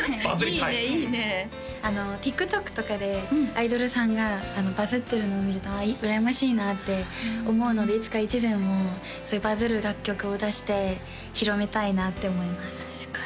いいねいいねＴｉｋＴｏｋとかでアイドルさんがバズってるのを見ると羨ましいなって思うのでいつかいちぜん！もそういうバズる楽曲を出して広めたいなって思います